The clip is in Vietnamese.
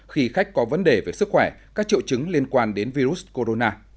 khi khách có vấn đề về sức khỏe các triệu chứng liên quan đến virus corona